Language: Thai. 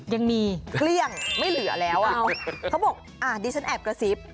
ยังมีเกลี้ยงไม่เหลือแล้วอ่ะเขาบอกอ่าดิฉันแอบกระซิบ